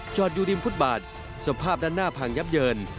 อยู่ริมฟุตบาทสภาพด้านหน้าพังยับเยิน